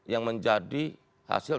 yang menjadi hasil